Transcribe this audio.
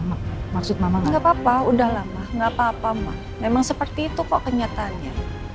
hai maaf saya maksudnya nggak papa udah lama nggak papa mah memang seperti itu kok kenyataannya